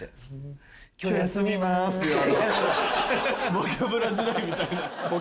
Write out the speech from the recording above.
『ボキャブラ』時代みたいな。